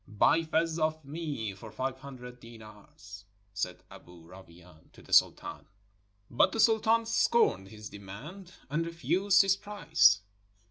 "Buy Fez of me for five hundred deendrs,^' said Aboo Rawain to the Sultan. But the Sultan scorned his demand and refused his price.